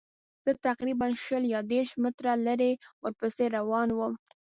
زه تقریباً شل یا دېرش متره لرې ورپسې روان وم.